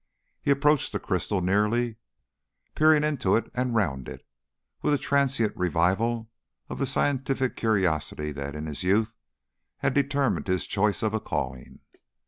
He approached the crystal nearly, peering into it and round it, with a transient revival of the scientific curiosity that in his youth had determined his choice of a calling.